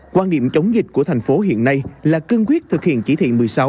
quan điểm chống dịch của thành phố hiện nay là cương quyết thực hiện chỉ thị một mươi sáu